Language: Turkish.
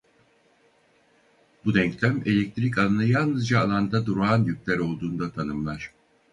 Bu denklem elektrik alanı yalnızca alanda durağan yükler olduğunda tanımlar.